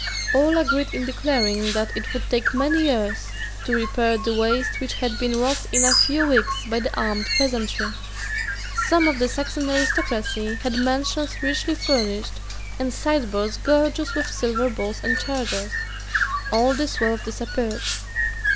All agreed in declaring that it would take many years to repair the waste which had been wrought in a few weeks by the armed peasantry, Some of the Saxon aristocracy had mansions richly furnished, and sideboards gorgeous with silver bowls and chargers. All this wealth disappeared.